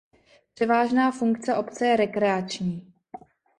Převážná funkce obce je rekreační.